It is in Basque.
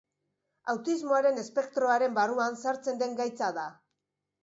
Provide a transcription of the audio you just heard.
Autismoaren espektroaren barnean sartzen den gaitza da.